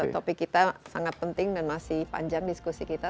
topik kita sangat penting dan masih panjang diskusi kita